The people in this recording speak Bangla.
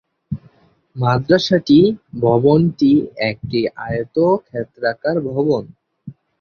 মাদ্রাসাটি ভবনটি একটি আয়তক্ষেত্রাকার ভবন।